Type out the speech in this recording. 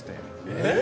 えっ！